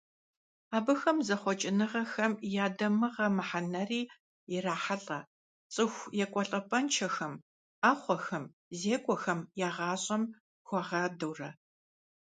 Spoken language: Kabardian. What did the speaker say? Абыхэм зэхъуэкӀыныгъэхэм я дамыгъэ мыхьэнэри ирахьэлӀэ, цӀыху екӀуэлӀапӀэншэхэм, Ӏэхъуэхэм, зекӀуэхэм я гъащӀэм хуагъадэурэ.